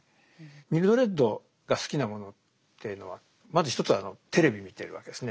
ミルドレッドが好きなものっていうのはまず一つはテレビ見てるわけですね。